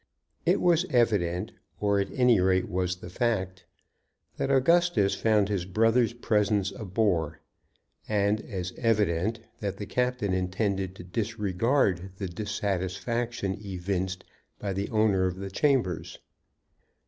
It was evident, or at any rate was the fact, that Augustus found his brother's presence a bore, and as evident that the captain intended to disregard the dissatisfaction evinced by the owner of the chambers.